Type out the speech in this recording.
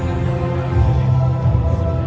สโลแมคริปราบาล